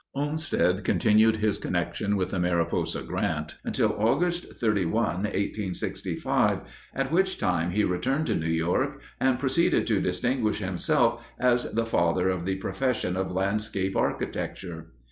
Olmsted continued his connection with the Mariposa Grant until Aug. 31, 1865, at which time he returned to New York and proceeded to distinguish himself as the "father" of the profession of landscape architecture.